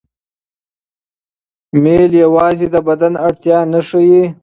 میل یوازې د بدن اړتیا نه ښيي.